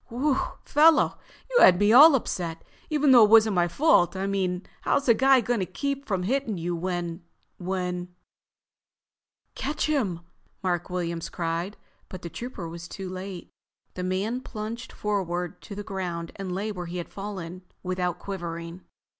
"Whew, fellow, you had me all upset, even though it wasn't my fault. I mean, how's a guy gonna keep from hitting you when—when——" "Catch him!" Mark Williams cried, but the Trooper was too late. The other man plunged forward to the ground and lay where he had fallen without quivering.